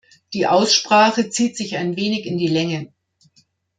Die Aussprache zieht sich ein wenig in die Länge.